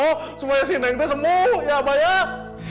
ya sudah saya kasih semua ya bayang